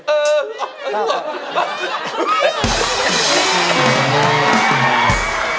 เออคือออก